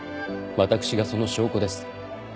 私がその証拠です。